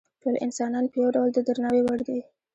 ټول انسانان په یو ډول د درناوي وړ دي.